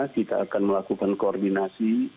kita akan melakukan koordinasi